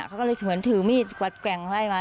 เขาก็เลยเหมือนถือมีดกวัดแกว่งไล่มา